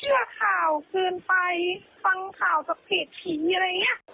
ที่คือที่เราถอนตัวเราก็ไม่ได้ประกาศอะไรยังไงล่ะค่ะ